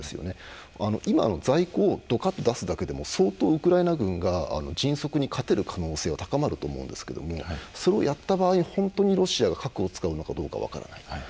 今の在庫をどかって出すだけでも相当、ウクライナ軍が迅速に勝てる可能性は高まると思うんですけどもそれをやった場合、ロシアが本当に核を使うのか分からない。